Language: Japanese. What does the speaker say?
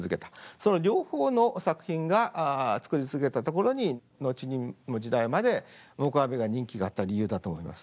その両方の作品が作り続けたところに後の時代まで黙阿弥が人気があった理由だと思います。